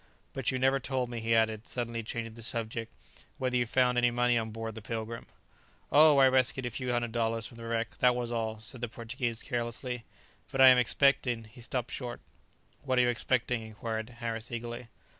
But you never told me," he added, suddenly changing the subject, "whether you found any money on board the 'Pilgrim'!" "Oh, I rescued a few hundred dollars from the wreck, that was all," said the Portuguese carelessly; "but I am expecting...." he stopped short. "What are you expecting?" inquired Harris eagerly.